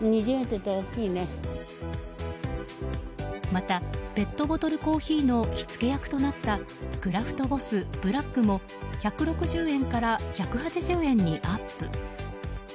また、ペットボトルコーヒーの火付け役となったクラフトボスブラックも１６０円から１８０円にアップ。